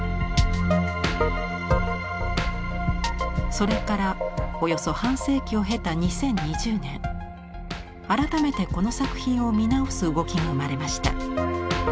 それからおよそ半世紀を経た２０２０年改めてこの作品を見直す動きが生まれました。